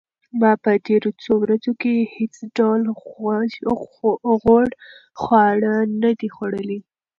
ما په تېرو څو ورځو کې هیڅ ډول غوړ خواړه نه دي خوړلي.